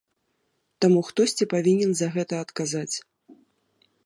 Таму хтосьці павінен за гэта адказаць.